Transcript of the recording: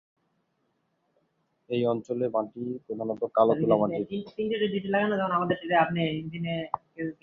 এই অঞ্চলে মাটি গঠন প্রধানত কালো তুলা মাটির।